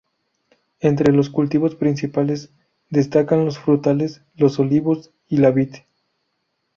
Entre los cultivos principales destacan los frutales, los olivos y la vid.